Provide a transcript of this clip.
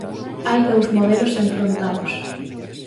Hai dous modelos enfrontados.